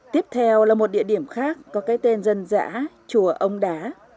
tiếp theo là một địa điểm khác có cái tên dân dã chùa ông đá